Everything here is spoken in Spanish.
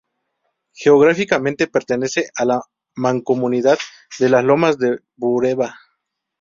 Geográficamente pertenece a la Mancomunidad de Las Lomas de Bureba.